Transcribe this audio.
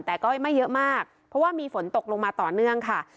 แต่ก็ไม่เยอะมากเพราะว่ามีฝนตกลงมาต่อเนื่องค่ะ